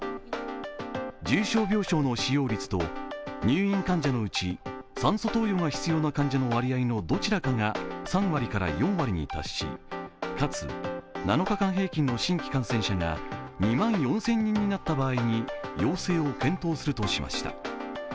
重症病床の使用率と入院患者のうち、酸素投与の必要な患者の割合のどちらかが３割から４割に達しかつ７日間平均の新規感染者が２万４０００人になった場合に要請を検討するとしました。